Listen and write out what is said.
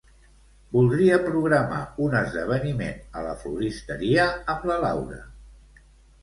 Voldria programar un esdeveniment a la floristeria amb la Laura.